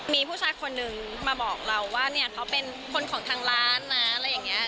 มีผู้ชายคนนึงมาบอกเราว่าเนี่ยเขาเป็นคนของทางร้านนะอะไรอย่างนี้